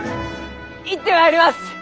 行ってまいります！